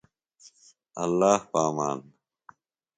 اللہ پہ امان۔